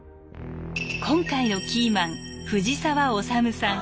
今回のキーマン藤沢修さん。